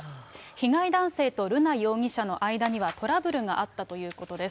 被害男性と瑠奈容疑者の間にはトラブルがあったということです。